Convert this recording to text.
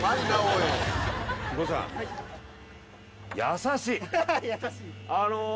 「優しい」。